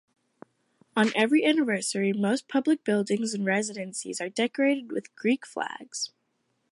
On every anniversary, most public buildings and residences are decorated with Greek flags.